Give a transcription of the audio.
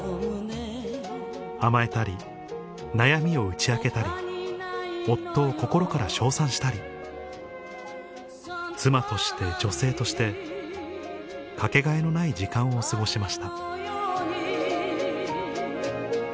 甘えたり悩みを打ち明けたり夫を心から称賛したり妻として女性としてかけがえのない時間を過ごしました